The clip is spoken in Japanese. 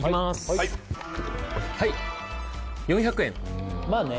・はいはい４００円まあね